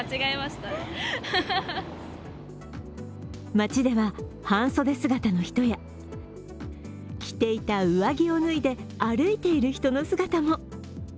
街では半袖姿の人や着ていた上着を脱いで、歩いている人の姿も。